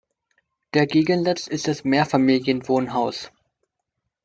Der Gegensatz ist das Mehrfamilienwohnhaus.